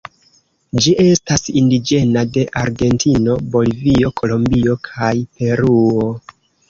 Ĝi estas indiĝena de Argentino, Bolivio, Kolombio kaj Peruo.